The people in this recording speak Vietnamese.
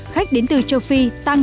khách đến từ châu phi tăng hai mươi hai bảy